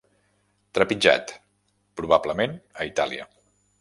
Trepitjat, probablement a Itàlia.